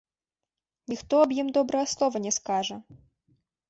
Ніхто аб ім добрага слова не скажа.